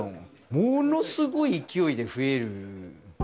ものすごい勢いで増える。